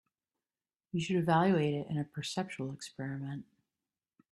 You should evaluate it in a perceptual experiment.